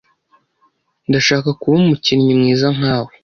Ndashaka kuba umukinnyi mwiza nkawe.